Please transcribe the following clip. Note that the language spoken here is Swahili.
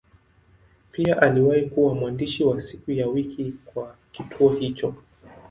Pia aliwahi kuwa mwandishi wa siku ya wiki kwa kituo hicho.